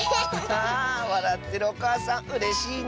わらってるおかあさんうれしいね！